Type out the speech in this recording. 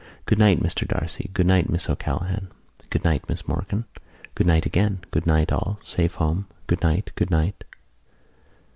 "Good night, Mr D'Arcy. Good night, Miss O'Callaghan." "Good night, Miss Morkan." "Good night, again." "Good night, all. Safe home." "Good night. Good night."